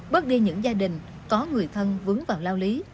bớt đi những gia đình có người thân vướng vào lao lý